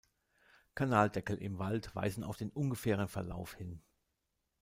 Kanaldeckel im Wald weisen auf den ungefähren Verlauf hin.